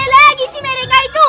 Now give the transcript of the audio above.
lagi mana lagi sih mereka itu